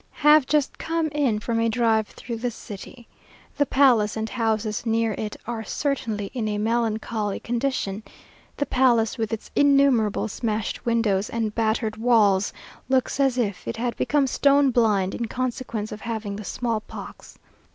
Have just come in from a drive through the city. The palace and houses near it are certainly in a melancholy condition. The palace, with its innumerable smashed windows and battered walls, looks as if it had become stone blind in consequence of having the smallpox.